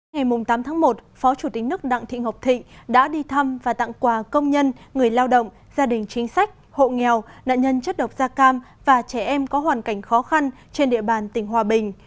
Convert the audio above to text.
ngày tám tháng một phó chủ tịch nước đặng thị ngọc thịnh đã đi thăm và tặng quà công nhân người lao động gia đình chính sách hộ nghèo nạn nhân chất độc da cam và trẻ em có hoàn cảnh khó khăn trên địa bàn tỉnh hòa bình